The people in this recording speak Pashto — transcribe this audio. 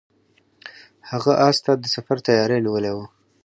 هغه اس ته د سفر تیاری نیولی و.